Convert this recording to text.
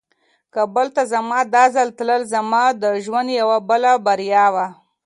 کابل ته زما دا ځل تلل زما د ژوند یوه بله بریا وه.